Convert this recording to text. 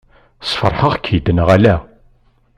Sfeṛḥeɣ-k-id neɣ ala?